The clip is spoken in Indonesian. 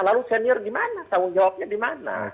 lalu senior gimana tanggung jawabnya dimana